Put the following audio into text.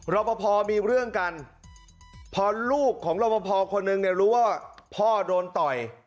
รอปภมีเรื่องกันพอลูกของรอปภคนหนึ่งเนี่ยรู้ว่าพ่อโดนต่อย